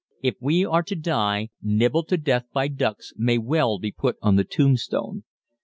If we are to die, "Nibbled to Death by Ducks" may well be put on the tombstone.